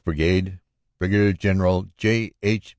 Brigade, Brig. General J. H.